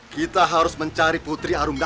kita harus mencari putri arung dalu